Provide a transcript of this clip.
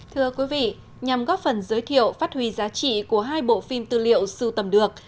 thưa quý vị nhằm góp phần giới thiệu phát huy giá trị của hai bộ phim tư liệu sưu tầm được